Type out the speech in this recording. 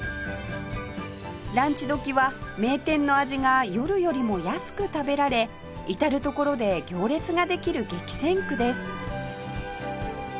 ランチ時は名店の味が夜よりも安く食べられ至る所で行列ができる激戦区です